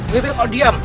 nih kau diam